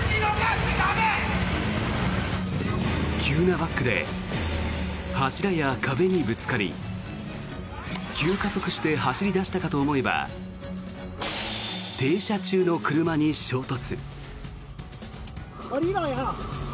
急なバックで柱や壁にぶつかり急加速して走り出したかと思えば停車中の車に衝突。